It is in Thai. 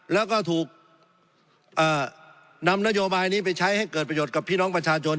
แล้วก็ถูกนำนโยบายนี้ไปใช้ให้เกิดประโยชน์กับพี่น้องประชาชน